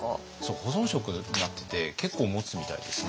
保存食になってて結構もつみたいですね。